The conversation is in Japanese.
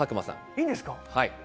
いいんですか？